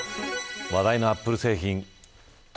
話題のアップル製品